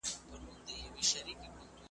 کله به رسوا سي، وايي بله ورځ ,